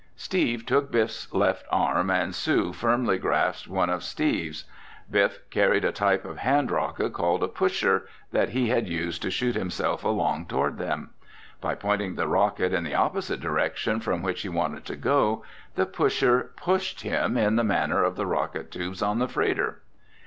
Steve took Biff's left arm and Sue firmly grasped one of Steve's. Biff carried a type of hand rocket, called a "pusher," that he had used to shoot himself along toward them. By pointing the rocket in the opposite direction from which he wanted to go, the "pusher" pushed him in the manner of the rocket tubes on the freighter.